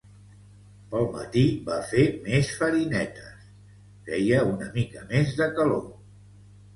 Pel matí va fer més farinetes; feia una mica més de calor.